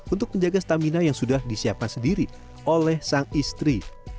untuk menjaga stamina yang sudah disiapkan sendiri oleh sang istri